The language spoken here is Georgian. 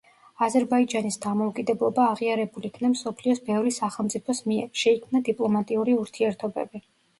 აზერბაიჯანის დამოუკიდებლობა აღიარებულ იქნა მსოფლიოს ბევრი სახელმწიფოს მიერ, შეიქმნა დიპლომატიური ურთიერთობები.